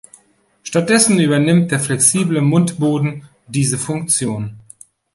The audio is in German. Stattdessen übernimmt der flexible Mundboden diese Funktion.